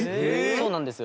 そうなんですよ。